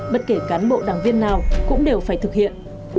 bất kể cán bộ đảng viên nào cũng đều phải thực hiện